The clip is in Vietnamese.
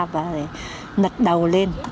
và nật đầu lên